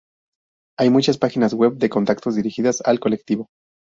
Hay muchas páginas web de contactos dirigidas al colectivo.